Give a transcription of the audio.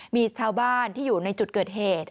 มีชาวบ้านที่อยู่ในจุดเกิดเหตุ